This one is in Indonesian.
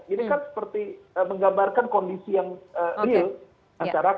ini kan seperti menggambarkan kondisi yang real masyarakat